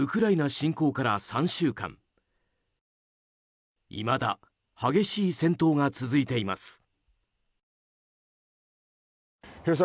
いまだ激しい戦闘が続いています。